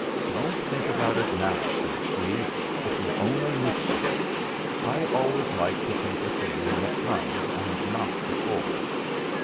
"Don't think about it now," said she, "it will only mix you. I always like to take a thing when it comes, and not before."